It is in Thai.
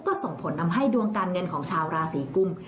ก็ส่งผลทำให้ดวงการเงินของชาวราศีกุม